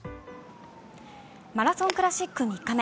マラソン・クラシック３日目。